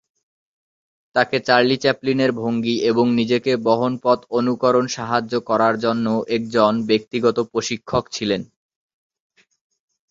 তাকে চার্লি চ্যাপলিনের ভঙ্গি এবং নিজেকে বহন পথ অনুকরণ সাহায্য করার জন্য একজন ব্যক্তিগত প্রশিক্ষক ছিলেন।